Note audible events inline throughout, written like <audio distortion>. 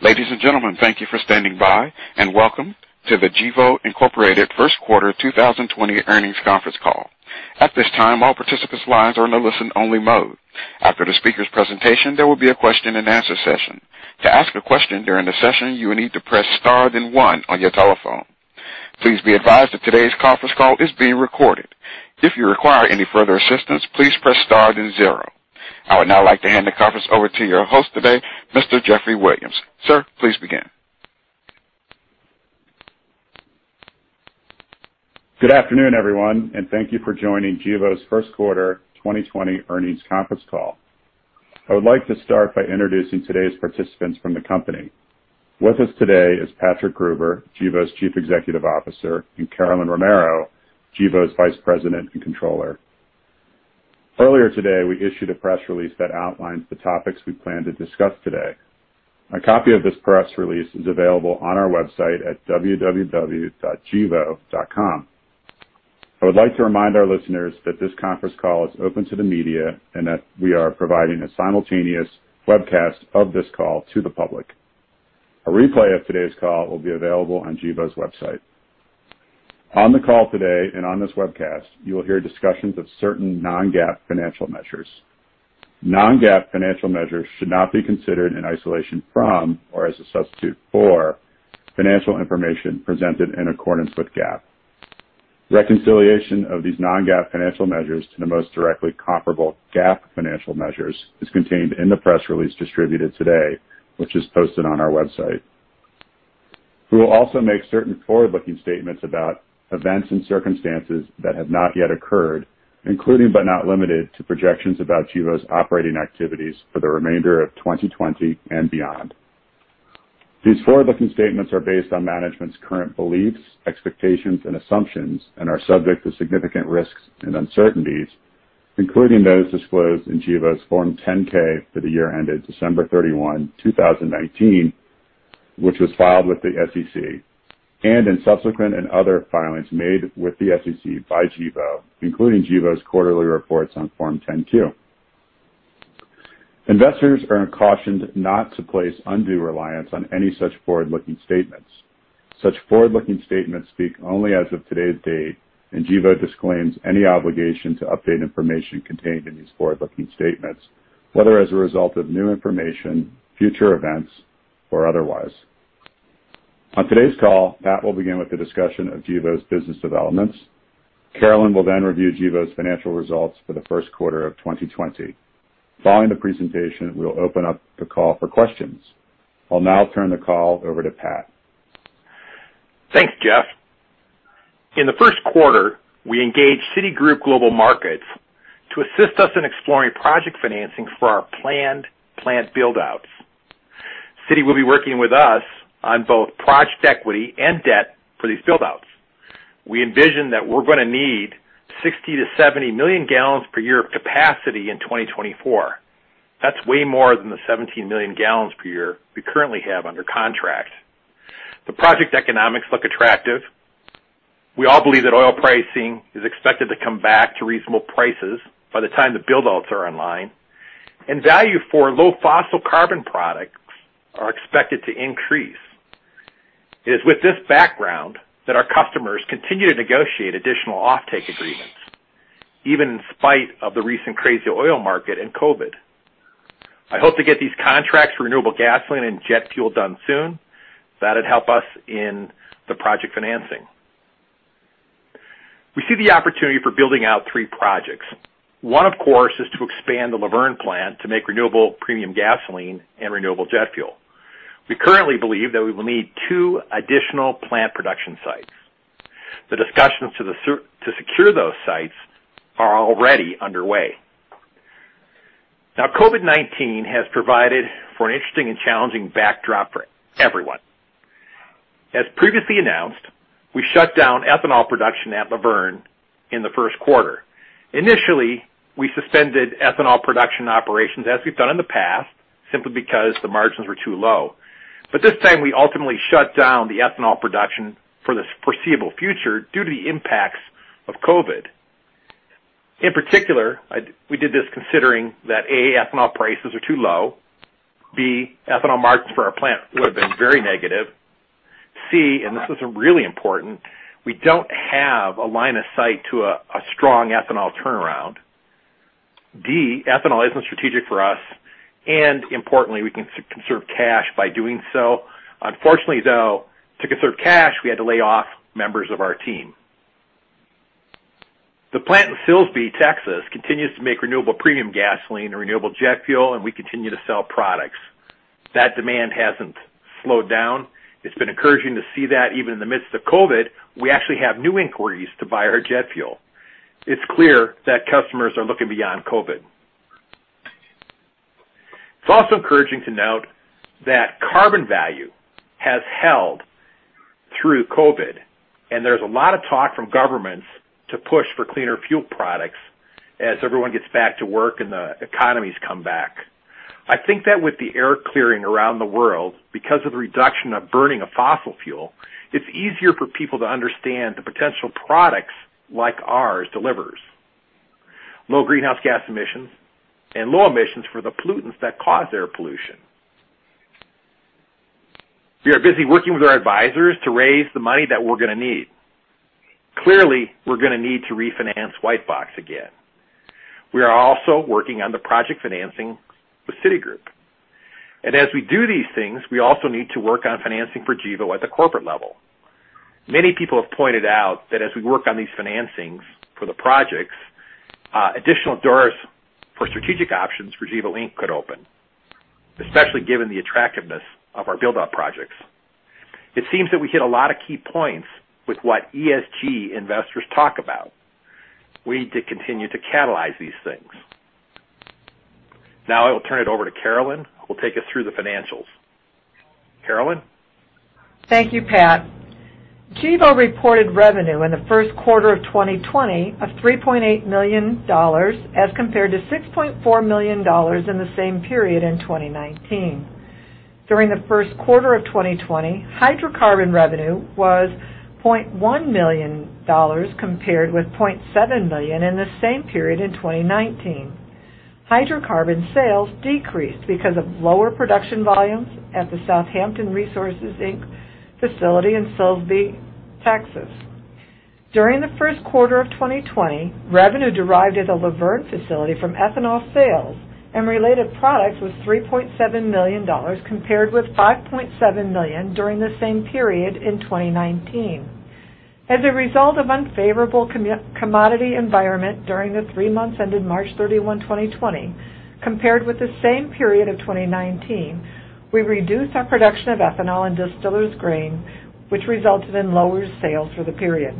Ladies and gentlemen, thank you for standing by, and welcome to the Gevo, Inc. first quarter 2020 earnings conference call. At this time, all participants' lines are in a listen-only mode. After the speaker's presentation, there will be a question and answer session. To ask a question during the session, you will need to press star then one on your telephone. Please be advised that today's conference call is being recorded. If you require any further assistance, please press star then zero. I would now like to hand the conference over to your host today, Mr. Geoffrey Williams. Sir, please begin. Good afternoon, everyone, thank you for joining Gevo's first quarter 2020 earnings conference call. I would like to start by introducing today's participants from the company. With us today is Patrick Gruber, Gevo's Chief Executive Officer, and Carolyn Romero, Gevo's Vice President and Controller. Earlier today, we issued a press release that outlines the topics we plan to discuss today. A copy of this press release is available on our website at www.gevo.com. I would like to remind our listeners that this conference call is open to the media and that we are providing a simultaneous webcast of this call to the public. A replay of today's call will be available on Gevo's website. On the call today and on this webcast, you will hear discussions of certain non-GAAP financial measures. Non-GAAP financial measures should not be considered in isolation from or as a substitute for financial information presented in accordance with GAAP. Reconciliation of these non-GAAP financial measures to the most directly comparable GAAP financial measures is contained in the press release distributed today, which is posted on our website. We will also make certain forward-looking statements about events and circumstances that have not yet occurred, including but not limited to projections about Gevo's operating activities for the remainder of 2020 and beyond. These forward-looking statements are based on management's current beliefs, expectations, and assumptions and are subject to significant risks and uncertainties, including those disclosed in Gevo's Form 10-K for the year ended December 31, 2019, which was filed with the SEC, and in subsequent and other filings made with the SEC by Gevo, including Gevo's quarterly reports on Form 10-Q. Investors are cautioned not to place undue reliance on any such forward-looking statements. Such forward-looking statements speak only as of today's date, and Gevo disclaims any obligation to update information contained in these forward-looking statements, whether as a result of new information, future events, or otherwise. On today's call, Patrick Gruber will begin with the discussion of Gevo's business developments. Carolyn Romero will then review Gevo's financial results for the first quarter of 2020. Following the presentation, we'll open up the call for questions. I'll now turn the call over to Patrick Gruber. Thanks, Geoff. In the first quarter, we engaged Citigroup Global Markets to assist us in exploring project financing for our planned plant buildouts. Citi will be working with us on both project equity and debt for these buildouts. We envision that we're gonna need 60 million-70 million gallons per year of capacity in 2024. That's way more than the 17 million gallons per year we currently have under contract. The project economics look attractive. We all believe that oil pricing is expected to come back to reasonable prices by the time the buildouts are online, and value for low fossil carbon products are expected to increase. It is with this background that our customers continue to negotiate additional offtake agreements, even in spite of the recent crazy oil market and COVID-19. I hope to get these contracts for renewable gasoline and jet fuel done soon. That'd help us in the project financing. We see the opportunity for building out three projects. One, of course, is to expand the Luverne plant to make renewable premium gasoline and renewable jet fuel. We currently believe that we will need two additional plant production sites. The discussions to secure those sites are already underway. COVID-19 has provided for an interesting and challenging backdrop for everyone. As previously announced, we shut down ethanol production at Luverne in the first quarter. Initially, we suspended ethanol production operations as we've done in the past simply because the margins were too low. This time, we ultimately shut down the ethanol production for the foreseeable future due to the impacts of COVID-19. In particular, we did this considering that, A, ethanol prices are too low. B, ethanol margins for our plant would have been very negative. C, this is really important, we don't have a line of sight to a strong ethanol turnaround. D, ethanol isn't strategic for us. Importantly, we conserve cash by doing so. Unfortunately, though, to conserve cash, we had to lay off members of our team. The plant in Silsbee, Texas continues to make renewable premium gasoline and renewable jet fuel, and we continue to sell products. That demand hasn't slowed down. It's been encouraging to see that even in the midst of COVID-19, we actually have new inquiries to buy our jet fuel. It's clear that customers are looking beyond COVID-19. It's also encouraging to note that carbon value has held through COVID-19, and there's a lot of talk from governments to push for cleaner fuel products as everyone gets back to work and the economies come back. I think that with the air clearing around the world because of the reduction of burning of fossil fuel, it's easier for people to understand the potential products like ours delivers low greenhouse gas emissions and low emissions for the pollutants that cause air pollution. We are busy working with our advisors to raise the money that we're going to need. Clearly, we're going to need to refinance Whitebox again. We are also working on the project financing with Citigroup. As we do these things, we also need to work on financing for Gevo at the corporate level. Many people have pointed out that as we work on these financings for the projects, additional doors for strategic options for Gevo, Inc. could open, especially given the attractiveness of our build-out projects. It seems that we hit a lot of key points with what ESG investors talk about. We need to continue to catalyze these things. Now I will turn it over to Carolyn Romero, who will take us through the financials. Carolyn? Thank you, Patrick Gruber. Gevo reported revenue in the first quarter of 2020 of $3.8 million as compared to $6.4 million in the same period in 2019. During the first quarter of 2020, hydrocarbon revenue was $0.1 million, compared with $0.7 million in the same period in 2019. Hydrocarbon sales decreased because of lower production volumes at the South Hampton Resources, Inc. facility in Silsbee, Texas. During the first quarter of 2020, revenue derived at the Luverne facility from ethanol sales and related products was $3.7 million, compared with $5.7 million during the same period in 2019. As a result of unfavorable commodity environment during the three months ended March 31, 2020, compared with the same period of 2019, we reduced our production of ethanol and distillers grain, which resulted in lower sales for the period.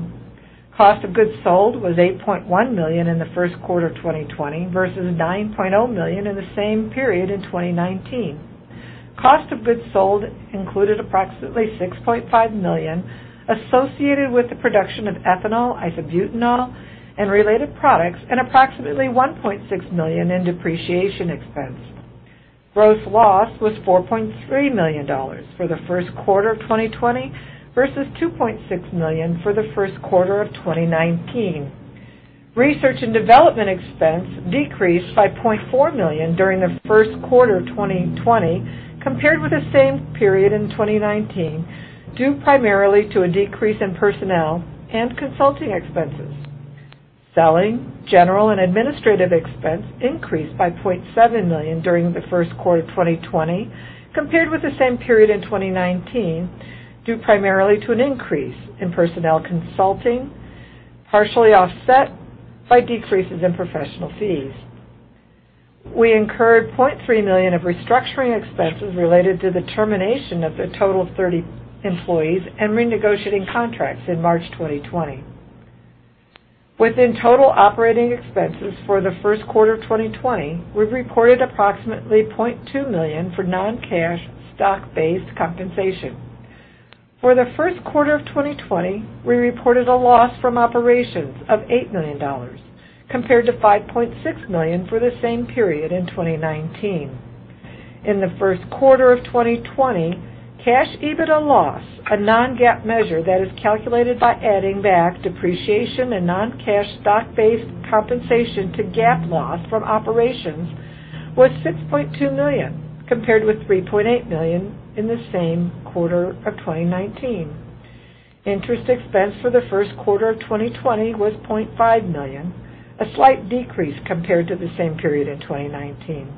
Cost of goods sold was $8.1 million in the first quarter of 2020 versus $9.0 million in the same period in 2019. Cost of goods sold included approximately $6.5 million associated with the production of ethanol, isobutanol, and related products, and approximately $1.6 million in depreciation expense. Gross loss was $4.3 million for the first quarter of 2020 versus $2.6 million for the first quarter of 2019. Research and development expense decreased by $0.4 million during the first quarter of 2020 compared with the same period in 2019, due primarily to a decrease in personnel and consulting expenses. Selling, general, and administrative expense increased by $0.7 million during the first quarter of 2020 compared with the same period in 2019, due primarily to an increase in personnel consulting, partially offset by decreases in professional fees. We incurred $0.3 million of restructuring expenses related to the termination of the total of 30 employees and renegotiating contracts in March 2020. Within total operating expenses for the first quarter of 2020, we've reported approximately $0.2 million for non-cash stock-based compensation. For the first quarter of 2020, we reported a loss from operations of $8 million, compared to $5.6 million for the same period in 2019. In the first quarter of 2020, cash EBITDA loss, a non-GAAP measure that is calculated by adding back depreciation and non-cash stock-based compensation to GAAP loss from operations, was $6.2 million, compared with $3.8 million in the same quarter of 2019. Interest expense for the first quarter of 2020 was $0.5 million, a slight decrease compared to the same period in 2019.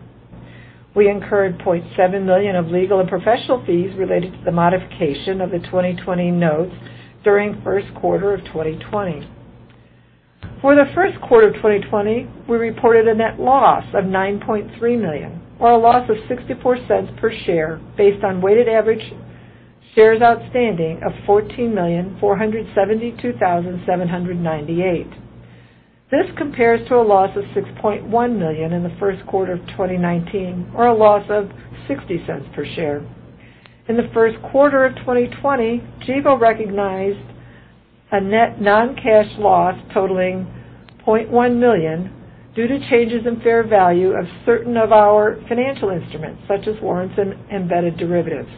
We incurred $0.7 million of legal and professional fees related to the modification of the 2020 Notes during the first quarter of 2020. For the first quarter of 2020, we reported a net loss of $9.3 million or a loss of $0.64 per share based on weighted average shares outstanding of 14,472,798. This compares to a loss of $6.1 million in the first quarter of 2019, or a loss of $0.60 per share. In the first quarter of 2020, Gevo recognized a net non-cash loss totaling $0.1 million due to changes in fair value of certain of our financial instruments, such as warrants and embedded derivatives.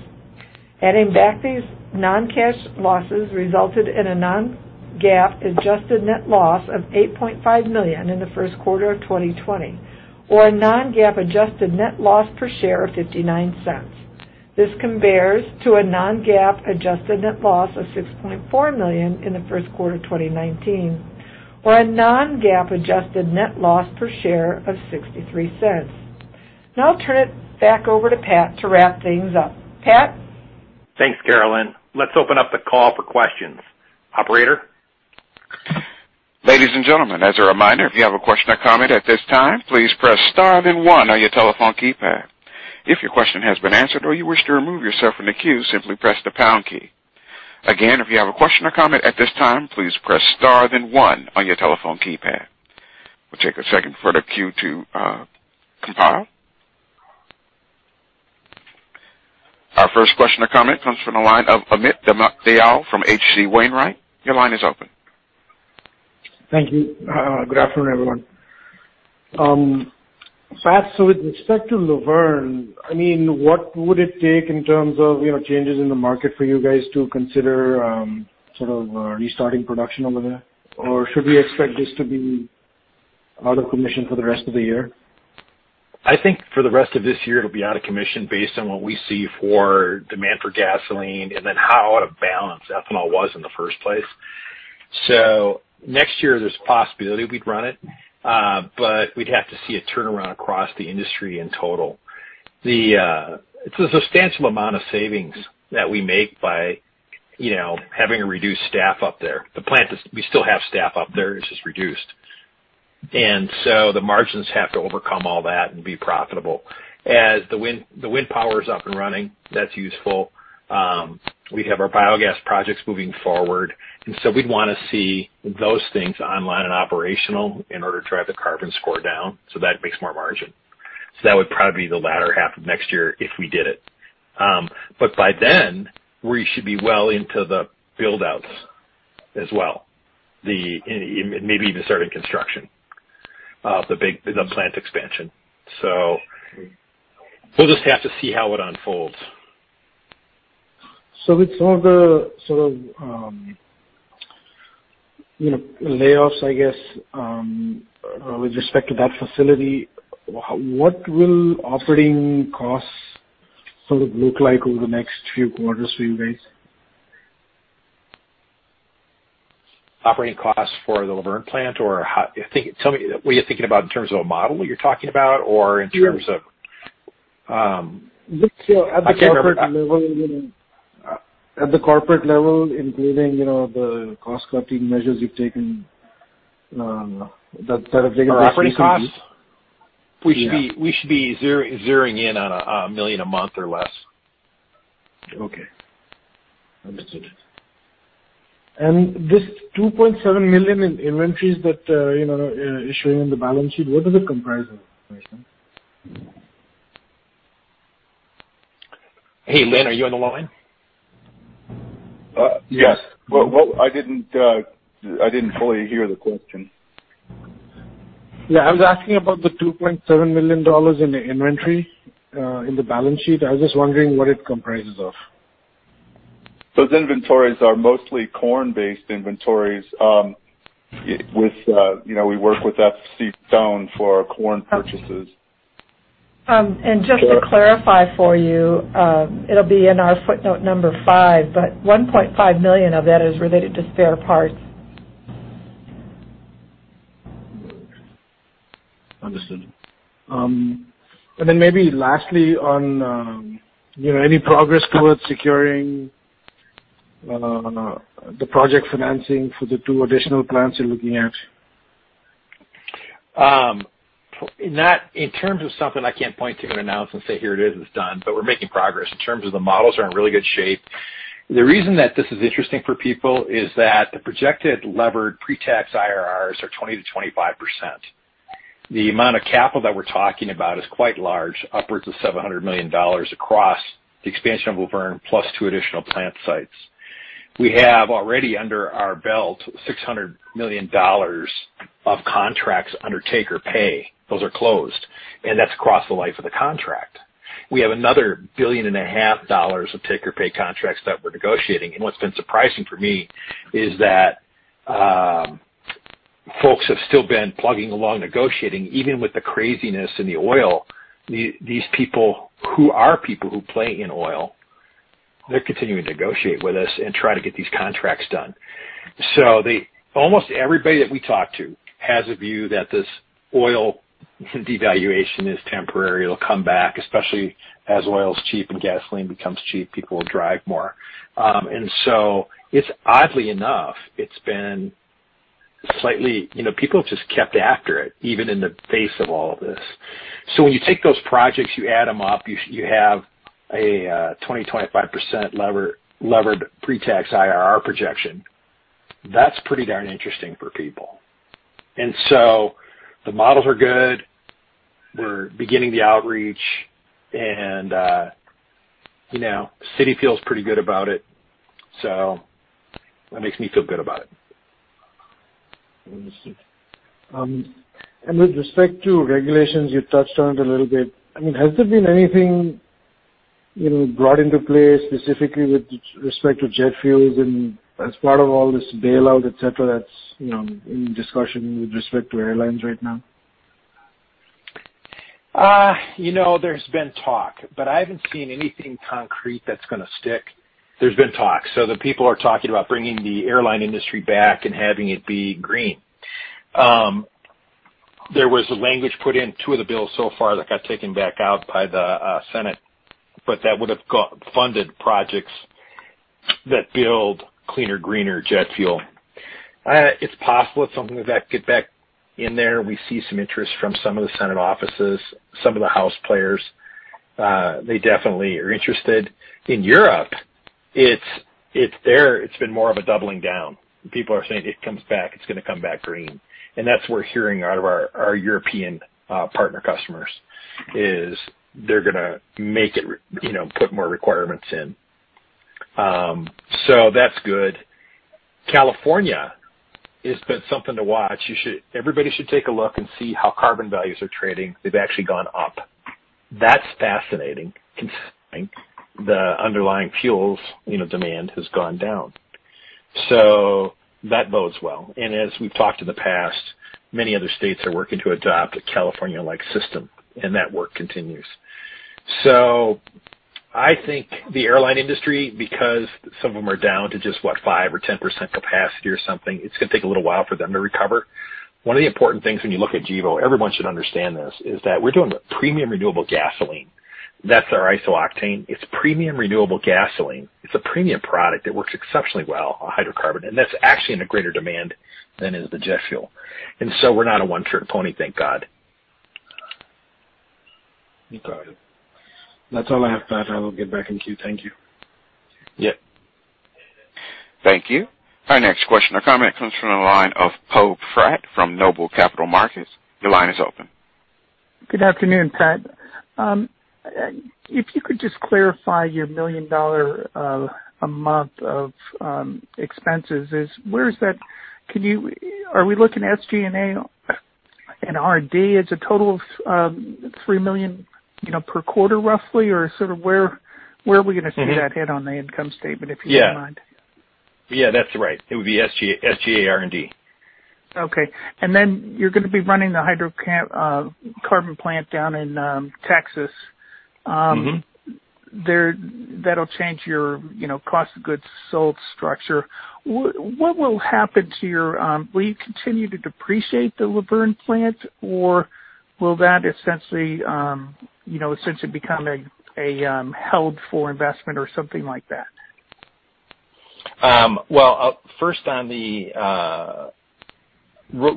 Adding back these non-cash losses resulted in a non-GAAP adjusted net loss of $8.5 million in the first quarter of 2020, or a non-GAAP adjusted net loss per share of $0.59. This compares to a non-GAAP adjusted net loss of $6.4 million in the first quarter of 2019, or a non-GAAP adjusted net loss per share of $0.63. I'll turn it back over to Patrick Gruber to wrap things up. Patrick? Thanks, Carolyn Romero. Let's open up the call for questions. Operator? Ladies and gentlemen, as a reminder, if you have a question or comment at this time, please press star then one on your telephone keypad. If your question has been answered or you wish to remove yourself from the queue, simply press the pound key. Again, if you have a question or comment at this time, please press star then one on your telephone keypad. We'll take a second for the queue to compile. Our first question or comment comes from the line of Amit Dayal from H.C. Wainwright. Your line is open. Thank you. Good afternoon, everyone. With respect to Luverne, what would it take in terms of changes in the market for you guys to consider restarting production over there? Or should we expect this to be out of commission for the rest of the year? I think for the rest of this year, it'll be out of commission based on what we see for demand for gasoline and then how out of balance ethanol was in the first place. Next year, there's a possibility we'd run it. We'd have to see a turnaround across the industry in total. It's a substantial amount of savings that we make by having a reduced staff up there. We still have staff up there, it's just reduced. The margins have to overcome all that and be profitable. As the wind power is up and running, that's useful. We have our biogas projects moving forward, and so we'd want to see those things online and operational in order to drive the carbon score down, so that makes more margin. That would probably be the latter half of next year if we did it. By then, we should be well into the build-outs as well. Maybe even starting construction of the plant expansion. We'll just have to see how it unfolds. With some of the layoffs, I guess, with respect to that facility, what will operating costs look like over the next few quarters for you guys? Operating costs for the Luverne plant? Tell me, were you thinking about in terms of a model what you're talking about? At the corporate level, including the cost-cutting measures you've taken. Operating costs? We should be zeroing in on $1 million a month or less. Okay. Understood. This $2.7 million in inventories that is showing on the balance sheet, what does it comprise of? <audio distortion> Hey, Lynn Smull, are you on the line? Yes. I didn't fully hear the question. Yeah, I was asking about the $2.7 million in the inventory, in the balance sheet. I was just wondering what it comprises of. Those inventories are mostly corn-based inventories. We work with INTL FCStone for our corn purchases. Just to clarify for you, it'll be in our footnote number five, but $1.5 million of that is related to spare parts. Understood. Maybe lastly on, any progress towards securing the project financing for the two additional plants you're looking at? In terms of something, I can't point to an announcement and say, "Here it is, it's done," but we're making progress. In terms of the models are in really good shape. The reason that this is interesting for people is that the projected levered pre-tax IRRs are 20%-25%. The amount of capital that we're talking about is quite large, upwards of $700 million across the expansion of Luverne, plus two additional plant sites. We have already under our belt $600 million of contracts under take-or-pay. Those are closed, that's across the life of the contract. We have another billion and a half dollars of take-or-pay contracts that we're negotiating. What's been surprising for me is that folks have still been plugging along negotiating, even with the craziness in the oil. These people, who are people who play in oil, they're continuing to negotiate with us and try to get these contracts done. Almost everybody that we talk to has a view that this oil devaluation is temporary. It'll come back, especially as oil's cheap and gasoline becomes cheap, people will drive more. Oddly enough, people have just kept after it, even in the face of all of this. When you take those projects, you add them up, you have a 20%, 25% levered pre-tax IRR projection. That's pretty darn interesting for people. The models are good. We're beginning the outreach, and Citi feels pretty good about it. That makes me feel good about it. Understood. With respect to regulations, you touched on it a little bit. Has there been anything brought into play specifically with respect to jet fuels and as part of all this bailout, et cetera, that's in discussion with respect to airlines right now? There's been talk, but I haven't seen anything concrete that's going to stick. There's been talks. The people are talking about bringing the airline industry back and having it be green. There was language put in two of the bills so far that got taken back out by the Senate, but that would have funded projects that build cleaner, greener jet fuel. It's possible if something like that get back in there, we see some interest from some of the Senate offices, some of the House players. They definitely are interested. In Europe, there it's been more of a doubling down. People are saying, "It comes back, it's going to come back green." That's what we're hearing out of our European partner customers, is they're going to put more requirements in. That's good. California has been something to watch. Everybody should take a look and see how carbon values are trading. They've actually gone up. That's fascinating, considering the underlying fuels demand has gone down. That bodes well. As we've talked in the past, many other states are working to adopt a California-like system, and that work continues. I think the airline industry, because some of them are down to just, what, 5% or 10% capacity or something, it's going to take a little while for them to recover. One of the important things when you look at Gevo, everyone should understand this, is that we're doing premium renewable gasoline. That's our isooctane. It's premium renewable gasoline. It's a premium product that works exceptionally well, a hydrocarbon, and that's actually in a greater demand than is the jet fuel. We're not a one-trick pony, thank God. You got it. That's all I have, Patrick Gruber. I will get back in queue. Thank you. Yep. Thank you. Our next question or comment comes from the line of Poe Fratt from Noble Capital Markets. Your line is open. Good afternoon, Patrick Gruber. If you could just clarify your $1 million a month of expenses. Are we looking at SG&A and R&D as a total of $3 million per quarter, roughly? Or where are we going to see that hit on the income statement, if you don't mind? Yeah, that's right. It would be SG&A R&D. Okay. You're going to be running the hydrocarbon plant down in Texas. That'll change your cost of goods sold structure. Will you continue to depreciate the Luverne plant, or will that essentially become a held for investment or something like that? Well,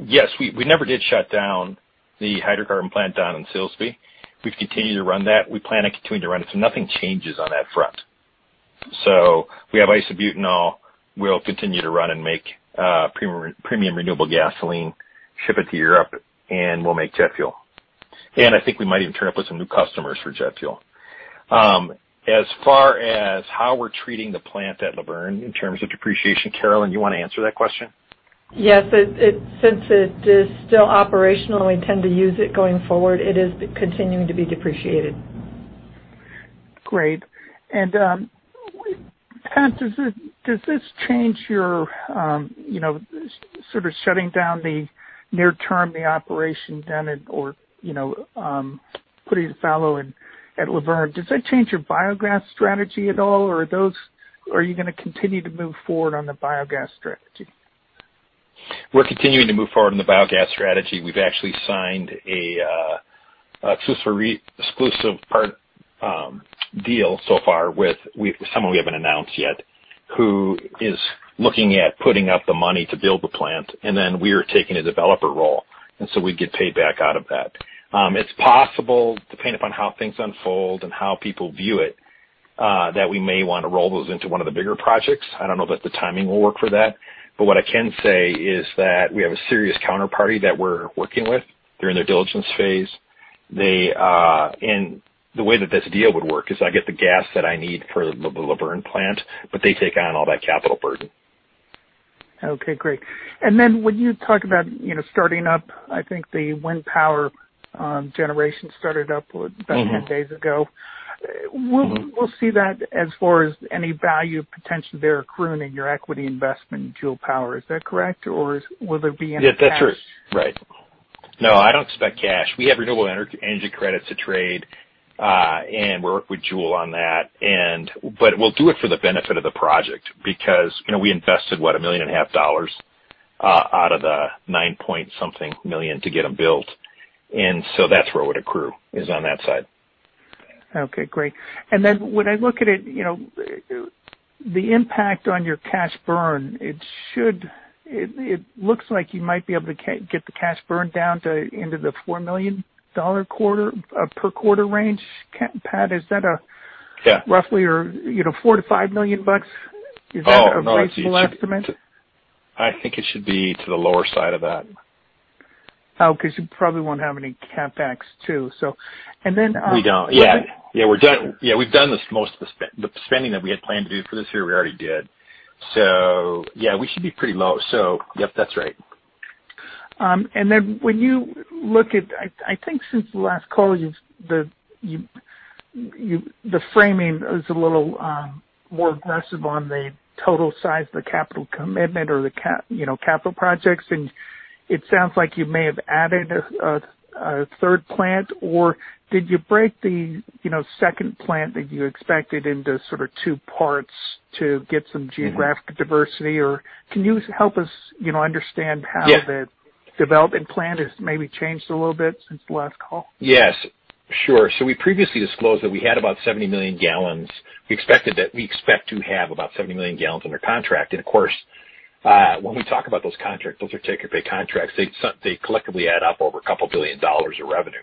yes. We never did shut down the hydrocarbon plant down in Silsbee. We've continued to run that. We plan on continuing to run it. Nothing changes on that front. We have isobutanol we'll continue to run and make premium renewable gasoline, ship it to Europe, and we'll make jet fuel. I think we might even turn up with some new customers for jet fuel. As far as how we're treating the plant at Luverne in terms of depreciation, Carolyn Romero, you want to answer that question? Since it is still operational and we intend to use it going forward, it is continuing to be depreciated. Great. Patrick Gruber, sort of shutting down the near term, the operation down or putting it fallow at Luverne, does that change your biogas strategy at all, or are you going to continue to move forward on the biogas strategy? We're continuing to move forward on the biogas strategy. We've actually signed an exclusive partner deal so far with someone we haven't announced yet, who is looking at putting up the money to build the plant, and then we're taking a developer role, and so we'd get paid back out of that. It's possible, depending upon how things unfold and how people view it, that we may want to roll those into one of the bigger projects. I don't know that the timing will work for that. What I can say is that we have a serious counterparty that we're working with. They're in their diligence phase. The way that this deal would work is I get the gas that I need for the Luverne plant, but they take on all that capital burden. Okay, great. When you talk about starting up, I think the wind power generation started up about 10 days ago. We'll see that as far as any value potentially there accruing in your equity investment in Juhl Energy. Is that correct, or will there be any cash? Yeah, that's true. Right. No, I don't expect cash. We have Renewable Energy Credits to trade, and work with Juhl on that. We'll do it for the benefit of the project because we invested, what, a million and a half dollars out of the nine point something million dollars to get them built. That's where it would accrue is on that side. Okay, great. When I look at it, the impact on your cash burn, it looks like you might be able to get the cash burn down into the $4 million per quarter range. Patrick Gruber, is that a roughly, or $4 million-$5 million? Is that a reasonable estimate? I think it should be to the lower side of that. Oh, because you probably won't have any CapEx, too. We don't. Yeah. We've done most of the spending that we had planned to do for this year, we already did. Yeah, we should be pretty low. Yep, that's right. When you look at I think since the last call, the framing is a little more aggressive on the total size of the capital commitment or the capital projects, and it sounds like you may have added a third plant. Did you break the second plant that you expected into sort of two parts to get some geographic diversity? Can you help us understand how the development plan has maybe changed a little bit since the last call? Yes. Sure. We previously disclosed that we had about 70 million gallons. We expect to have about 70 million gallons under contract. Of course, when we talk about those contracts, those are take-or-pay contracts. They collectively add up over a couple billion dollars of revenue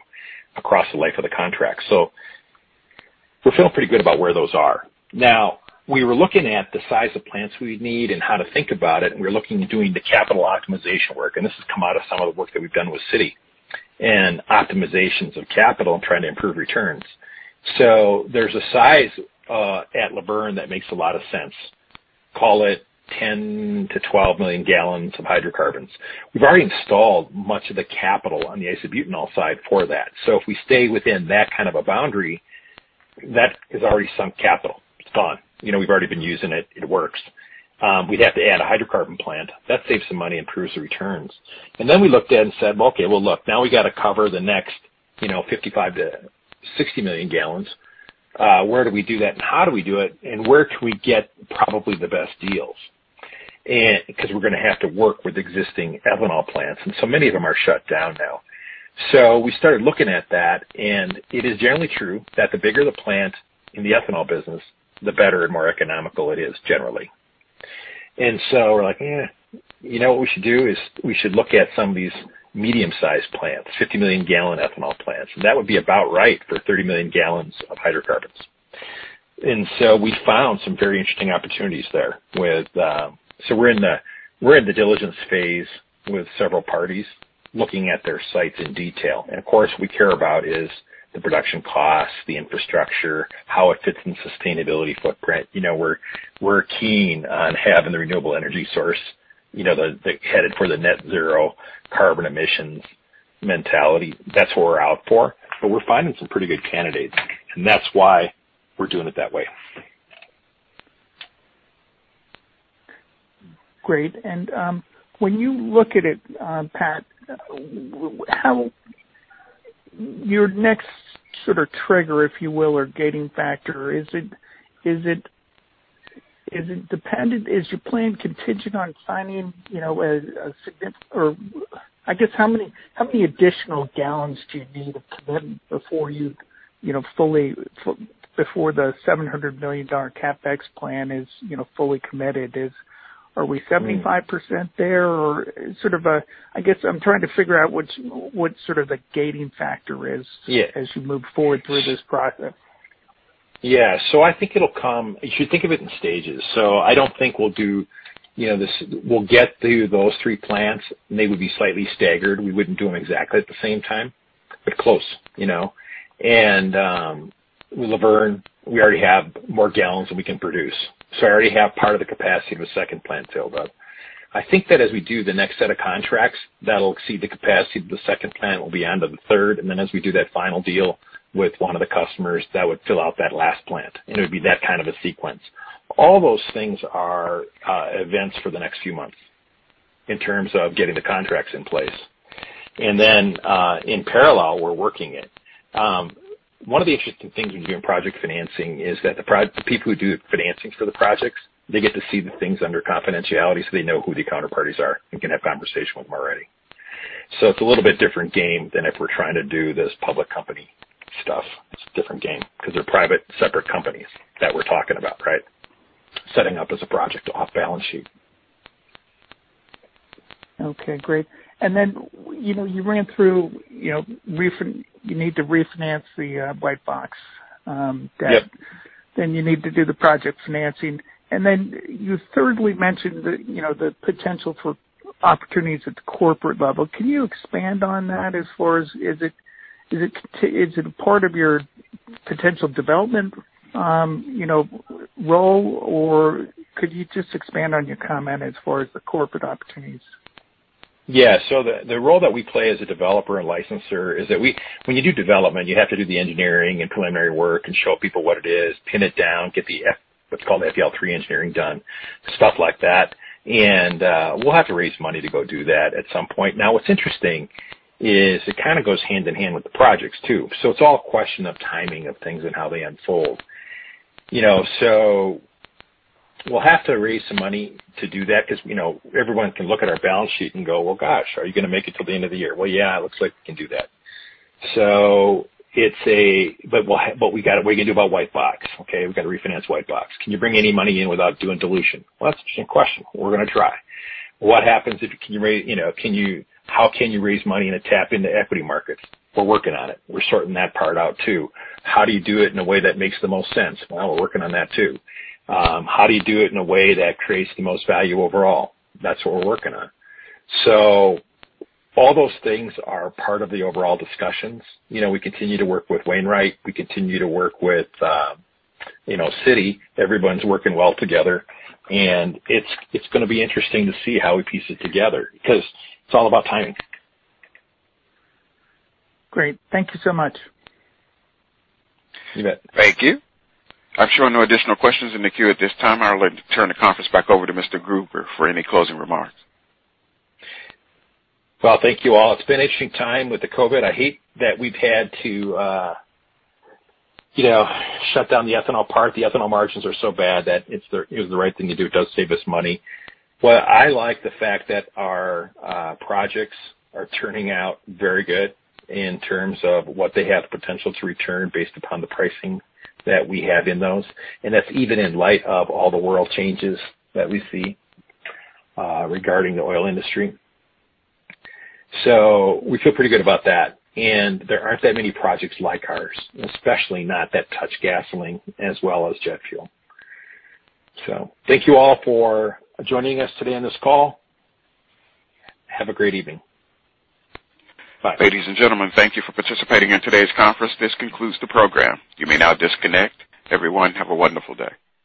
across the life of the contract. We're feeling pretty good about where those are. We were looking at the size of plants we need and how to think about it, and we were looking at doing the capital optimization work, and this has come out of some of the work that we've done with Citi. Optimizations of capital and trying to improve returns. There's a size at Luverne that makes a lot of sense. Call it 10 million-12 million gallons of hydrocarbons. We've already installed much of the capital on the isobutanol side for that. If we stay within that kind of a boundary, that is already sunk capital. It's gone. We've already been using it. It works. We'd have to add a hydrocarbon plant. That saves some money, improves the returns. We looked at it and said, "Okay, well, look, now we got to cover the next 55 million to 60 million gallons. Where do we do that and how do we do it, and where can we get probably the best deals?" We're going to have to work with existing ethanol plants, and so many of them are shut down now. We started looking at that, and it is generally true that the bigger the plant in the ethanol business, the better and more economical it is, generally. We're like, "Eh, you know what we should do is we should look at some of these medium-sized plants, 50 million gallon ethanol plants." That would be about right for 30 million gallons of hydrocarbons. We found some very interesting opportunities there. We're in the diligence phase with several parties, looking at their sites in detail. Of course, we care about is the production cost, the infrastructure, how it fits in sustainability footprint. We're keen on having the renewable energy source, headed for the net zero carbon emissions mentality. That's what we're out for. We're finding some pretty good candidates, and that's why we're doing it that way. Great. When you look at it, Patrick Gruber, your next sort of trigger, if you will, or gating factor, is your plan contingent on signing a significant I guess, how many additional gallons do you need to commit before the $700 million CapEx plan is fully committed? Are we 75% there, or sort of a I guess I'm trying to figure out what sort of the gating factor is as you move forward through this process. Yeah. I think it'll come. If you think of it in stages. I don't think we'll do this. We'll get through those three plants, and they would be slightly staggered. We wouldn't do them exactly at the same time, but close. Luverne, we already have more gallons than we can produce. I already have part of the capacity of a second plant filled up. I think that as we do the next set of contracts, that'll exceed the capacity of the second plant, we'll be onto the third. Then as we do that final deal with one of the customers, that would fill out that last plant, and it would be that kind of a sequence. All those things are events for the next few months in terms of getting the contracts in place. Then, in parallel, we're working it. One of the interesting things in doing project financing is that the people who do the financing for the projects, they get to see the things under confidentiality, so they know who the counterparties are and can have conversation with them already. It's a little bit different game than if we're trying to do this public company stuff. It's a different game because they're private, separate companies that we're talking about, right? Setting up as a project off balance sheet. Okay, great. Then you ran through, you need to refinance the Whitebox debt. Yep. You need to do the project financing. You thirdly mentioned the potential for opportunities at the corporate level. Can you expand on that, as far as, is it part of your potential development role, or could you just expand on your comment as far as the corporate opportunities? Yeah. The role that we play as a developer and licenser is that when you do development, you have to do the engineering and preliminary work and show people what it is, pin it down, get what's called the FEL3 engineering done, stuff like that. We'll have to raise money to go do that at some point. Now, what's interesting is it kind of goes hand in hand with the projects, too. It's all a question of timing of things and how they unfold. We'll have to raise some money to do that because everyone can look at our balance sheet and go, "Well, gosh, are you going to make it till the end of the year?" Well, yeah, it looks like we can do that. What are we going to do about Whitebox? Okay, we've got to refinance Whitebox. Can you bring any money in without doing dilution? Well, that's an interesting question. We're going to try. How can you raise money in a tap into equity markets? We're working on it. We're sorting that part out, too. How do you do it in a way that makes the most sense? Well, we're working on that, too. How do you do it in a way that creates the most value overall? That's what we're working on. All those things are part of the overall discussions. We continue to work with Wainwright. We continue to work with Citi. Everyone's working well together, and it's going to be interesting to see how we piece it together because it's all about timing. Great. Thank you so much. You bet. Thank you. I'm showing no additional questions in the queue at this time. I'll turn the conference back over to Mr. Gruber for any closing remarks. Well, thank you all. It's been an interesting time with the COVID-19. I hate that we've had to shut down the ethanol part. The ethanol margins are so bad that it was the right thing to do. It does save us money. I like the fact that our projects are turning out very good in terms of what they have the potential to return based upon the pricing that we have in those. That's even in light of all the world changes that we see regarding the oil industry. We feel pretty good about that, and there aren't that many projects like ours, especially not that touch gasoline as well as jet fuel. Thank you all for joining us today on this call. Have a great evening. Bye. Ladies and gentlemen, thank you for participating in today's conference. This concludes the program. You may now disconnect. Everyone, have a wonderful day.